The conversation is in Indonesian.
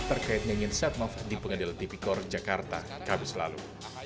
terkait nyanyian setmaf di pengadilan tipikor jakarta khabis lalu